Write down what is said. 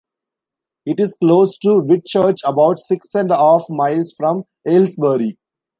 It is close to Whitchurch, about six and a half miles from Aylesbury.